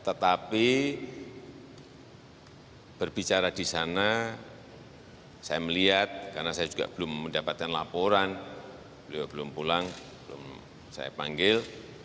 tetapi berbicara di sana saya melihat karena saya juga belum mendapatkan laporan beliau belum pulang belum saya panggil